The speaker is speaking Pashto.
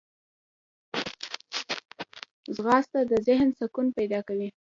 ځغاسته د ذهن سکون پیدا کوي